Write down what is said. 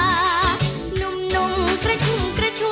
หนุ่มหนุ่มกระชุดกระชวน